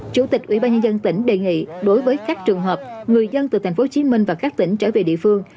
chủ tịch ubnd tỉnh đề nghị đối với các trường hợp người dân từ tp hcm và các tỉnh trở về địa phương